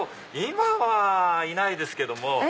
今はいないですけども。